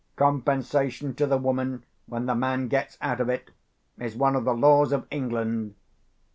Compensation to the woman when the man gets out of it, is one of the laws of England.